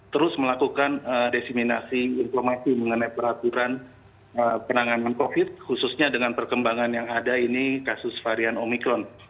terus melakukan desiminasi informasi mengenai peraturan penanganan covid khususnya dengan perkembangan yang ada ini kasus varian omikron